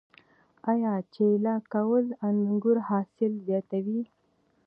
آیا چیله کول د انګورو حاصل زیاتوي؟